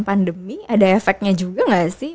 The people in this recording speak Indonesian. pandemi ada efeknya juga nggak sih